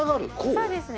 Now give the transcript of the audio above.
そうですね